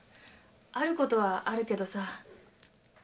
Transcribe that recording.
あることはあるけどさ。